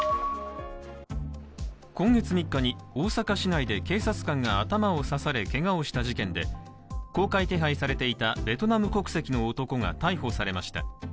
今月３日に大阪市内で警察官が頭を刺されけがをした事件で、公開手配されていたベトナム国籍の男が逮捕されました。